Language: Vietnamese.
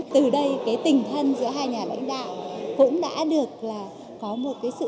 từ đây cái tình thân giữa hai nhà lãnh đạo cũng đã được là có một cái sự